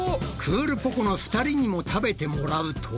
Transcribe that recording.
クールポコ。の２人にも食べてもらうと。